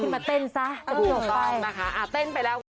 ขอแม่เลยแหง